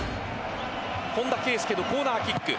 本田圭佑のコーナーキック。